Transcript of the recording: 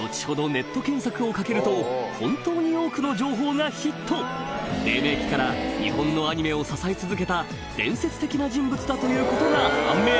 ネット検索をかけると本当に多くの情報がヒット黎明期から日本のアニメを支え続けた伝説的な人物だということが判明